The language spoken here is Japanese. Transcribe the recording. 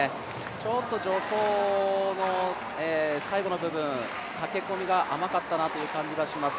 ちょっと助走の最後の部分、駆け込みが甘かった感じがします。